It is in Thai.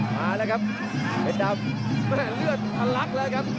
มาแล้วครับเพชรดำแม่เลือดอัลลักษณ์เลยครับ